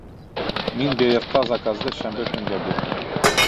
Мин билетҡа заказды шәмбе көнгә бирҙем